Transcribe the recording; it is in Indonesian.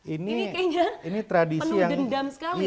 ini kayaknya penuh dendam sekali